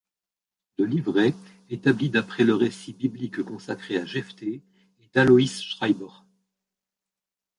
Le livret, établi d’après le récit biblique consacré à Jephté, est d'Aloys Schreiber.